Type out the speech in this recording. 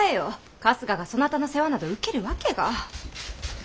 春日がそなたの世話など受けるわけが。